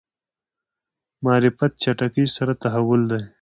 معرفت چټکۍ سره تحول دی.